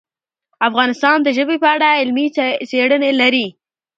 افغانستان د ژبې په اړه علمي څېړنې لري.